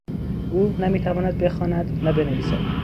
او نه میتواند بخواند نه بنویسد.